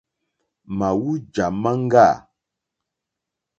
Màwújà máŋɡâ.